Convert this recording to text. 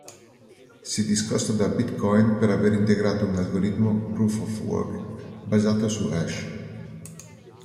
Si discosta da Bitcoin per avere integrato un algoritmo proof-of-work basato su hash.